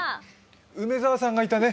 梅澤さんがいたね。